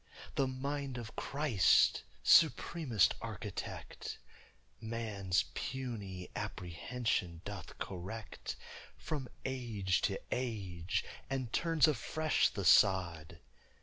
The mind of Christ, supremest Architect, Man's puny apprehension doth correct From age to age, and turns afresh the sod.